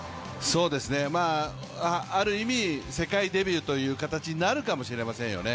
ある意味、世界デビューという形になるかもしれませんよね。